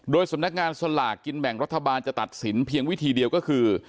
สำนักงานสลากกินแบ่งรัฐบาลจะตัดสินเพียงวิธีเดียวก็คือ